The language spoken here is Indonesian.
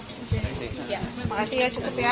terima kasih ya cukup ya